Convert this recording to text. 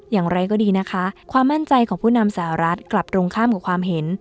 อย่างไรก็ดีนะคะความมั่นใจของผู้นำสหรัฐกลับตรงข้ามกับความเห็น